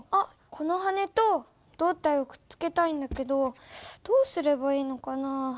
この羽と胴体をくっつけたいんだけどどうすればいいのかな？